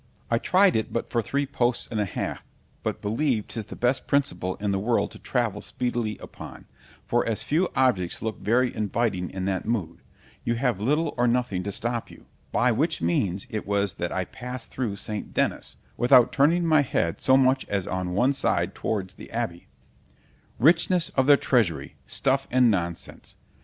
——I tried it but for three posts and a half, but believe 'tis the best principle in the world to travel speedily upon; for as few objects look very inviting in that mood—you have little or nothing to stop you; by which means it was that I passed through St. Dennis, without turning my head so much as on one side towards the Abby—— ——Richness of their treasury! stuff and nonsense!